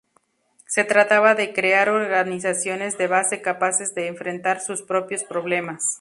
Se trataba de crear organizaciones de base capaces de enfrentar sus propios problemas.